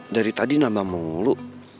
dari tadi nambah mengulu